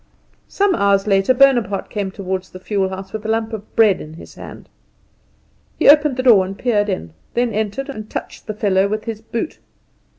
Some hours later Bonaparte came toward the fuel house with a lump of bread in his hand. He opened the door and peered in; then entered, and touched the fellow with his boot.